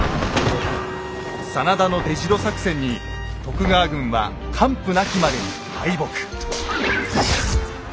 真田の出城作戦に徳川軍は完膚なきまでに敗北。